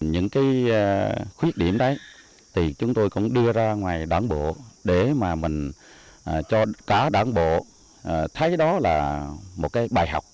những cái khuyết điểm đấy thì chúng tôi cũng đưa ra ngoài đảng bộ để mà mình cho cả đảng bộ thấy đó là một cái bài học